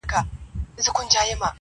که طوطي چېري ګنجی لیدلی نه وای٫